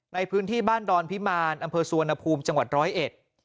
ในพื้นที่บ้านดรพิมารอำเภอสวนภูมิจังหวัด๑๐๑